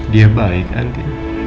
dia baik andi